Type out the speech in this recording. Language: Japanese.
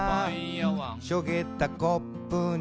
「しょげたコップに」